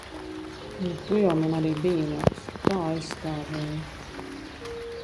Nu, tu jau man arī biji labs. Tā aizstāvēji.